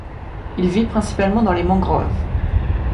Il vit principalement dans les mangroves.